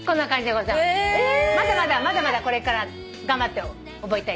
まだまだまだまだこれから頑張って覚えたい。